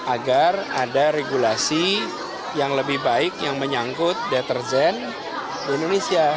agar ada regulasi yang lebih baik yang menyangkut deterjen di indonesia